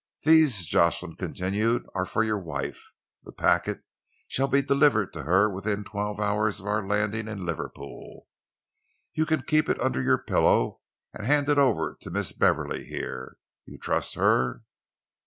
"These," Jocelyn continued, "are for your wife. The packet shall be delivered to her within twelve hours of our landing in Liverpool. You can keep it under your pillow and hand it over to Miss Beverley here. You trust her?"